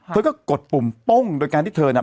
เธอก็กดปุ่มป้งโดยการที่เธอน่ะ